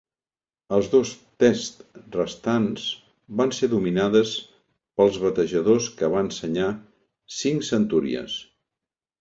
Els dos Tests restants van ser dominades pels batejadors, que van senyar cinc "centuries".